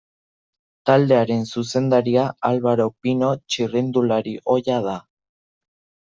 Taldearen zuzendaria Alvaro Pino, txirrindulari ohia, da.